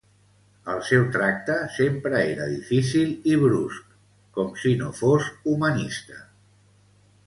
El seu tracte sempre era difícil i brusc, com si no fos humanista.